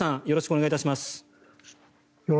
よろしくお願いします。